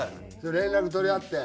連絡取り合って？